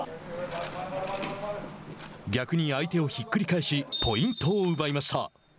逆に相手をひっくり返しポイントを奪いました。